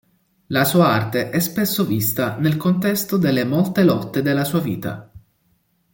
La sua arte è spesso vista nel contesto delle molte lotte della sua vita.